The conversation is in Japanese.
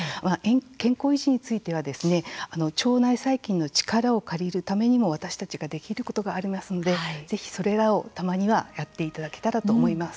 健康維持については腸内細菌の力を借りるためにも私たちができることがありますので、ぜひ、それらをたまにはやっていただけたらと思います。